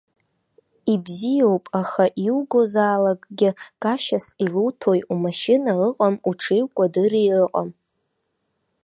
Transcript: Ибзиоуп, аха иугозаалакгьы гашьас илуҭои, умашьына ыҟам, уҽи-укәадыри ыҟам.